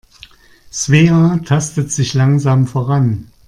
Svea tastet sich langsam voran.